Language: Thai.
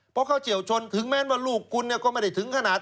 เพราะเขาเฉียวชนถึงแม้ว่าลูกคุณก็ไม่ได้ถึงขนาด